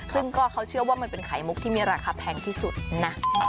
ซึ่งก็เขาเชื่อว่ามันเป็นไข่มุกที่มีราคาแพงที่สุดนะ